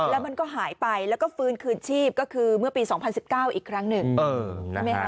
แล้วมันก็หายไปแล้วก็ฟื้นคืนชีพก็คือเมื่อปี๒๐๑๙อีกครั้งหนึ่งใช่ไหมคะ